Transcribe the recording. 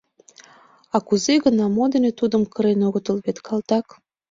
А кузе гына, мо дене тудым кырен огытыл вет, калтак.